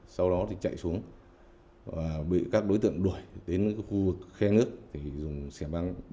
sau đó thì chạy xuống và bị các đối tượng đuổi đến cái khu vực khe nước thì sẽ băng đâm là chết nạn nhân